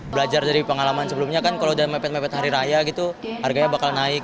belajar dari pengalaman sebelumnya kan kalau udah mepet mepet hari raya gitu harganya bakal naik